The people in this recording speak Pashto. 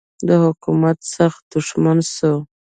د حکومت سخت دښمن سو.